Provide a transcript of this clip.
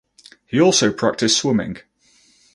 He also practiced swimming.